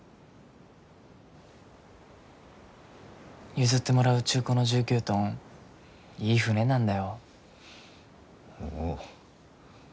譲ってもらう中古の１９トンいい船なんだよ。